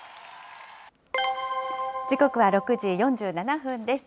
時刻は６時４７分です。